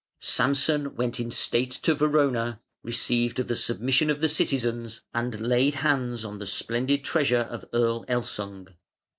Samson went in state to Verona, received the submission of the citizens and laid hands on the splendid treasure of Earl Elsung.